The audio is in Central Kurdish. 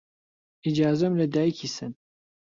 ئیجازەم لە دایکی سەن